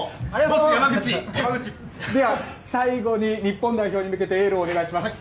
では、最後に日本代表に向けてエールをお願いします。